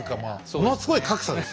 ものすごい格差ですね。